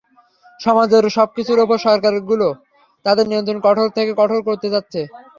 সমাজের সবকিছুর ওপর সরকারগুলো তাদের নিয়ন্ত্রণ কঠোর থেকে কঠোর করতে যাচ্ছে।